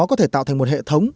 có thể tạo thành một hệ thống